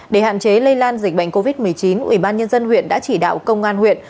để hạn chế lây lan dịch bệnh covid một mươi chín ủy ban nhân dân huyện đã chỉ đạo công an huyện